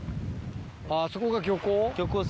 あそこが漁港？